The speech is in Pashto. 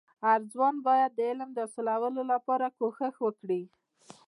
هرځوان باید د علم د حاصلولو لپاره کوښښ وکړي.